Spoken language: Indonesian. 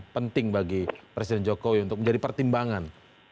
penting bagi presiden jokowi untuk menjadi pertimbangan